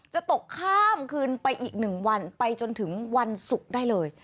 จะตกข้ามคืนไปอีก๑วันไปจนถึงวันศุกร์ได้เลย